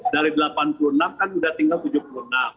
dari delapan puluh enam kan sudah tinggal tujuh puluh enam